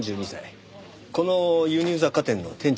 この輸入雑貨店の店長です。